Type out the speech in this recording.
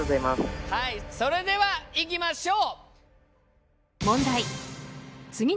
それではいきましょう！